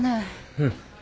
うん。